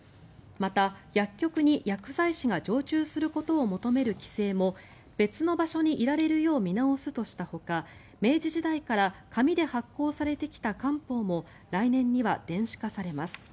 また、薬局に薬剤師が常駐することを求める規制も別の場所にいられるよう見直すとしたほか明治時代から紙で発行されてきた官報も来年には電子化されます。